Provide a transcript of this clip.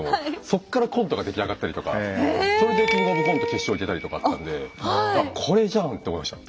そっからコントが出来上がったりとかそれで「キングオブコント」決勝行けたりとかだったんで「これじゃん」って思いました。